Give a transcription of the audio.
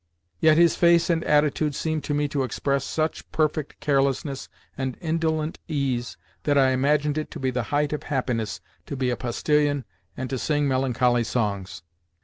Yet his face and attitude seemed to me to express such perfect carelessness and indolent ease that I imagined it to be the height of happiness to be a postillion and to sing melancholy songs.